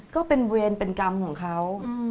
ก็เป็นเวรเป็นกรรมของเขา